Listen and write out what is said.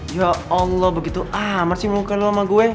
ya allah begitu amat sih melukai lo sama gue